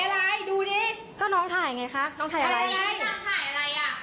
อะไรดูดิก็น้องถ่ายไงคะน้องถ่ายอะไรไงนางถ่ายอะไรอ่ะ